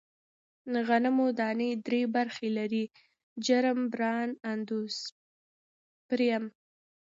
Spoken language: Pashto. غنمو دانې درې برخې لري: جرم، بران، اندوسپرم.